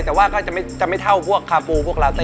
แต่ว่าก็จะไม่เท่ากับคราปูกลาเต้